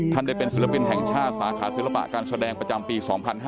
ท่านได้เป็นศิลปินแห่งชาติสาขาศิลปะการแสดงประจำปี๒๕๕๙